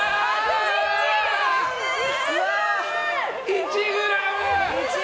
１ｇ！